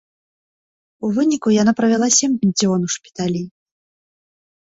У выніку яна правяла сем дзён у шпіталі.